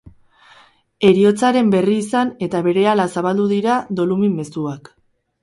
Heriotzaren berri izan eta berehala zabaldu dira dolumin mezuak.